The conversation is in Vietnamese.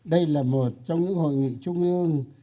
đây là một trong những hội nghị trung ương